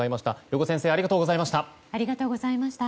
余語先生ありがとうございました。